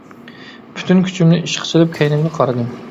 پۈتۈن كۈچۈمنى ئىشقا سېلىپ كەينىمگە قارىدىم.